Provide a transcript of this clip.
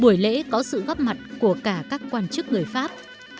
buổi lễ có sự góp mặt của cả các quan chức người pháp